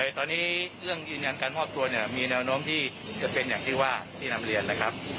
ตอนนี้เรื่องยืนยันการมอบตัวเนี่ยมีแนวโน้มที่จะเป็นอย่างที่ว่าที่นำเรียนนะครับ